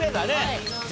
はい。